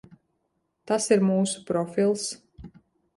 Tas ir mūsu profils.